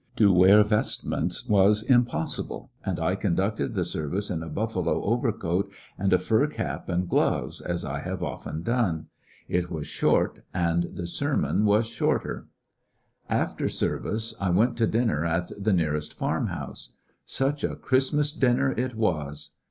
To wear vestments was impossible, and I con ducted the service in a buffalo overcoat and a fur cap and gloves, as I have often done. It was short, and the sermon was shorter. A queer Christ' After service I went to dinner at the near est farm house. Such a Christmas dinner it was